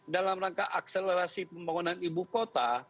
dalam rangka akselerasi pembangunan ibu kota